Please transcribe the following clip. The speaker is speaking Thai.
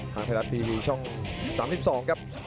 ขอบคุณครับ